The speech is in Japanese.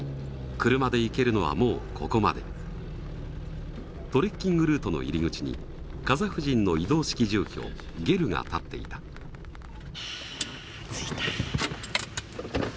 車で行けるのはもうここまでトレッキングルートの入り口にカザフ人の移動式住居ゲルが立っていた着いた！